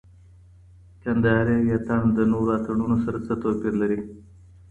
کندهاري اتڼ د نورو اتڼونو سره څه توپیر لري؟